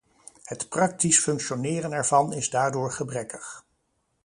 Het praktisch functioneren ervan is daardoor gebrekkig.